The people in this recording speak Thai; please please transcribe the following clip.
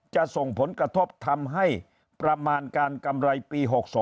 จะส่งผลกระทบทำให้ประมาณการกำไรปี๖๒